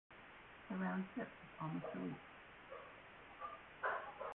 The round trip took almost a week.